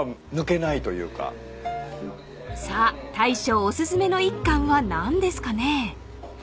［さあ大将お薦めの一貫は何ですかね］